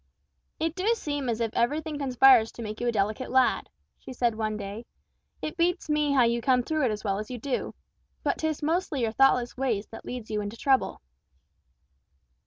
"It do seem as if everything conspires to make you a delicate lad," she said one day; "it beats me how you come through it as well as you do! But 'tis mostly your thoughtless ways that leads you into trouble."